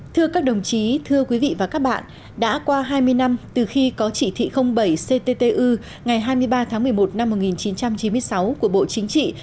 thưa các đồng chí thưa quý vị và các bạn đã qua hai mươi năm từ khi có chỉ thị bảy cttu ngày hai mươi ba tháng một mươi một năm một nghìn chín trăm chín mươi sáu của bộ chính trị